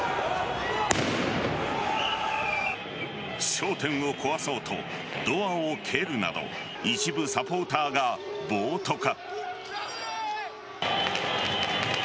商店を壊そうとドアを蹴るなど一部サポーターが暴徒化。